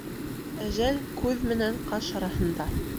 Әжәл күҙ менән ҡаш араһында.